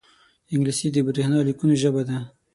انګلیسي د برېښنا لیکونو ژبه ده